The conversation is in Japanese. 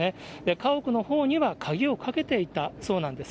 家屋のほうには鍵をかけていたそうなんです。